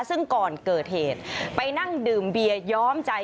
ซึ่งก่อนเกิดเหตุไปนั่งดื่มเบียย้อมใจ